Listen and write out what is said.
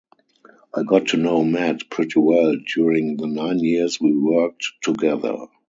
I got to know Matt pretty well during the nine years we worked together.